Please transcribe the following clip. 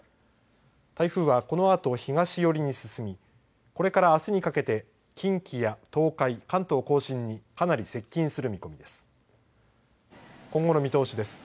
台風はこのあと東寄りに進みこれからあすにかけて近畿や東海関東甲信にかなり接近する見込みです。